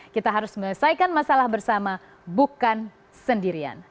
kita harus menyelesaikan masalah bersama bukan sendirian